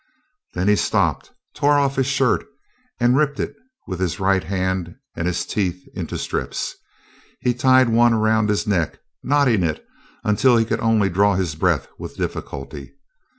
Then he stopped, tore off his shirt, and ripped it with his right hand and his teeth into strips. He tied one around his neck, knotting it until he could only draw his breath with difficulty.